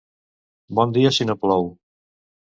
Bon dia, si no plou.